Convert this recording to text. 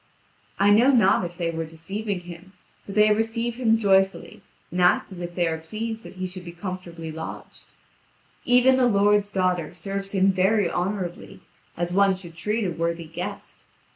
I know not if they were deceiving him, but they receive him joyfully and act as if they are pleased that he should be comfortably lodged. Even the lord's daughter serves him very honourably, as one should treat a worthy guest.